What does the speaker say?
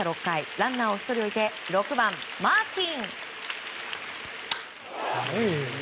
ランナーを１人置いて６番、マーティン。